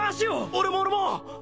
俺も俺も！